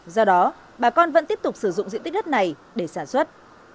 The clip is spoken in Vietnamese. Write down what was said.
do đó bà con vẫn tiếp tục sử dụng diện tích đất này để sản xuất